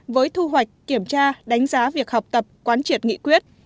với thu hoạch kiểm tra đánh giá việc học tập quán triệt nghị quyết